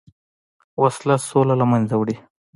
وسله سوله له منځه وړي